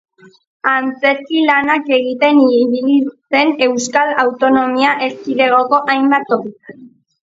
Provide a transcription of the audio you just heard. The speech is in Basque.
Antzerki-lanak egiten ibili zen Euskal Autonomia Erkidegoko hainbat tokitan.